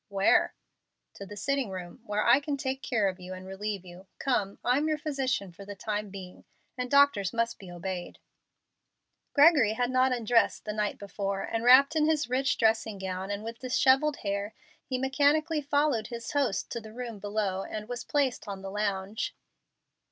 "Where?" "To the sitting room, where we can take care of you and relieve you. Come, I'm your physician for the time being, and doctors must be obeyed." Gregory had not undressed the night before, and, wrapped in his rich dressing gown and with dishevelled hair, he mechanically followed his host to the room below and was placed on the lounge.